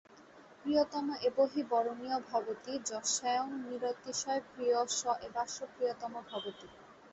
প্রিয়তম এব হি বরণীয়ো ভবতি, যস্যায়ং নিরতিশয়প্রিয় স এবাস্য প্রিয়তমো ভবতি।